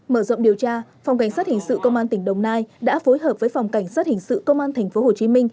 mở rộng điều tra phòng cảnh sát hình sự công an tỉnh đồng nai đã phối hợp với phòng cảnh sát hình sự công an tp hcm